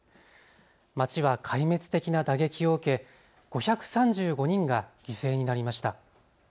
街は壊滅的な打撃を受け５３５人が犠牲になりました。